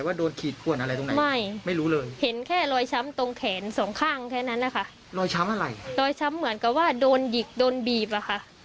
มันเป็นแผ่เก่าหรือมันเป็นรอยเก่า